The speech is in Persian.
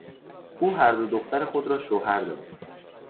او هر دو دختر خود را شوهر داد.